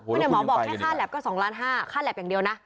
เออไหนหมอบอกแค่ค่าแล็บก็๒๕๐๐๐๐๐บาทค่าแล็บอย่างเดียวนะ